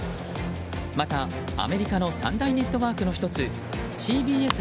またアメリカの三大ネットワークの１つＣＢＳ